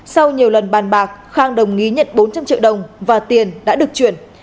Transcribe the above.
sau nhiều lần bàn bạc khang đồng ý nhận bốn trăm linh triệu đồng và tiền đã được chuyển